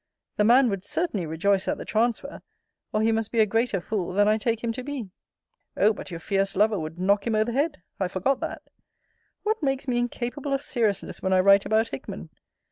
The man would certainly rejoice at the transfer; or he must be a greater fool than I take him to be. O but your fierce lover would knock him o' the head I forgot that! What makes me incapable of seriousness when I write about Hickman?